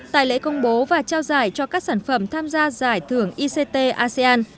tại lễ công bố và trao giải cho các sản phẩm tham gia giải thưởng ict asean